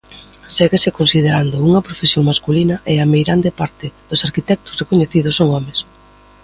Séguese considerando unha profesión masculina e a meirande parte dos arquitectos recoñecidos son homes.